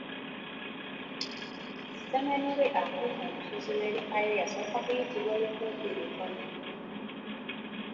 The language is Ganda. Ssemanobe akuuma olusozi lw’ebyafaayo yasooka kuyitibwa Lukumbirutono.